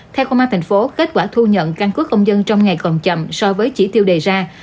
theo công an thành phố kết quả thu nhận căn cứ công dân trong ngày còn chậm so với chỉ tiêu đề ra